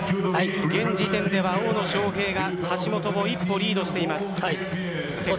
現時点では大野将平が橋本を一歩リードしています。